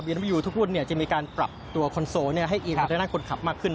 บีนัววิวทุกพูดจะมีการปรับตัวคอนโซลให้อีกอันตรายหน้าคนขับมากขึ้น